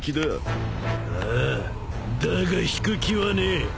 ［ああだが引く気はねえ］